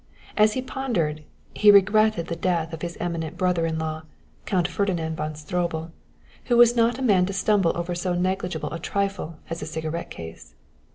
As he pondered, he regretted the death of his eminent brother in law, Count Ferdinand von Stroebel, who was not a man to stumble over so negligible a trifle as a cigarette case.